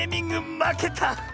まけた。